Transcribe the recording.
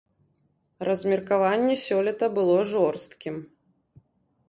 Размеркаванне сёлета было жорсткім.